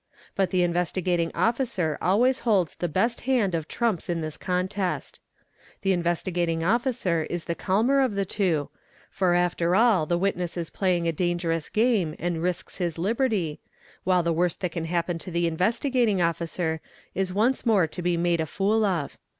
But the Investigating ' Officer always holds the best hand of trumps in this contest. The _ Investigating Officer is the calmer of the two, for after all the witness is , playing a dangerous game and risks his liberty, while the worst that can 3 happen to the Investigating Officer is once more to be made a fool of.